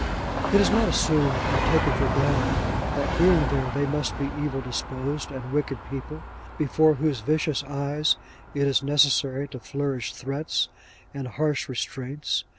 It is not assumed and taken for granted that being there they must be evil disposed and wicked people, before whose vicious eyes it is necessary to flourish threats and harsh restraints.